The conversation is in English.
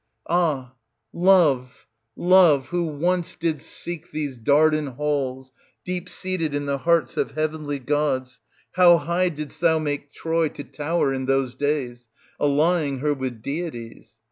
Ah ! Love, Love, who once didst seek these Dardan halls, deep seated in the hearts of heavenly gods, how high didst thou make Troy to tower in those days, allying her with deities